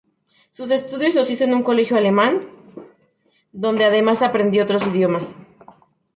Sus estudios los hizo en un colegio alemán, donde además aprendió otros idiomas.